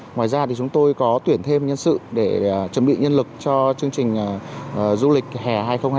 ngoài ra thì chúng tôi có tuyển thêm nhân sự để chuẩn bị nhân lực cho chương trình du lịch hè hai nghìn hai mươi bốn